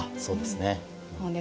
そうですね。